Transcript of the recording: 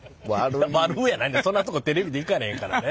「悪」やないそんなとこテレビで行かれへんからね。